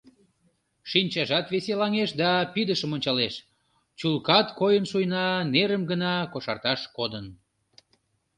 Шинчажат веселаҥеш да пидышым ончалеш: чулкат койын шуйна, нерым гына кошарташ кодын.